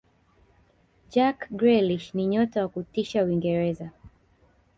jack grielish ni nyota wa kutisha uingereza